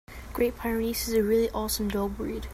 Great Pyrenees is a really awesome dog breed.